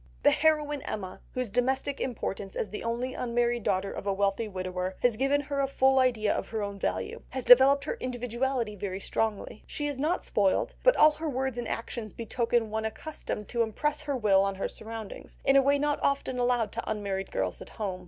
The heroine Emma, whose domestic importance as the only unmarried daughter of a wealthy widower has given her a full idea of her own value, has developed her individuality very strongly. She is not spoilt, but all her words and actions betoken one accustomed to impress her will on her surroundings, in a way not often allowed to unmarried girls at home.